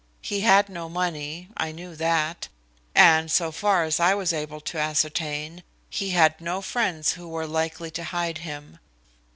He had no money I knew that and, so far as I was able to ascertain, he had no friends who were likely to hide him.